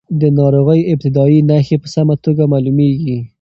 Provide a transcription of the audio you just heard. د ناروغۍ ابتدايي نښې په سمه توګه معلومېږي.